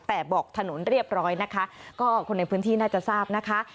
แต่บอกถนนเรียบร้อยนะคะก็คนในพื้นที่น่าจะทราบนะคะ